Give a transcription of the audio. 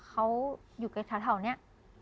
เขาอยู่ใกล้ชาเท่านี้